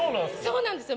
そうなんですよ。